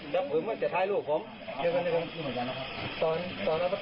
บอกผมเถลกครับ